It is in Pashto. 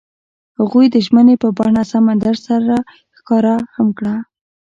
هغوی د ژمنې په بڼه سمندر سره ښکاره هم کړه.